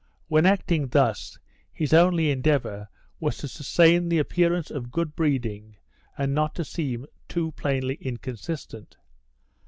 When acting thus his only endeavour was to sustain the appearance of good breeding and not to seem too plainly inconsistent.